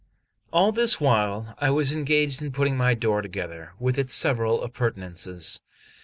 XLIII ALL this while I was engaged in putting my door together, with its several appurtenances.